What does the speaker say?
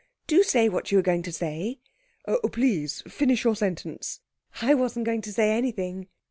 'Do say what you were going to say.' 'Oh, please finish your sentence.' 'I wasn't going to say anything.'